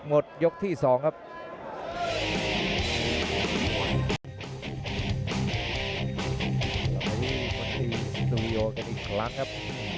ยกที่สองครับ